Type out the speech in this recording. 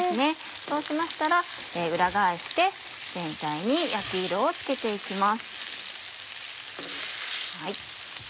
そうしましたら裏返して全体に焼き色をつけて行きます。